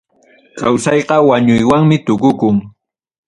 Kawsayqa wañuywanmi tukukun.